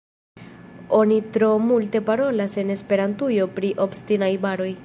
Oni tro multe parolas en Esperantujo pri “obstinaj baroj”.